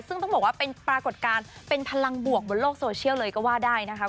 ซึ่งต้องบอกว่าเป็นปรากฏการณ์เป็นพลังบวกบนโลกโซเชียลเลยก็ว่าได้นะคะ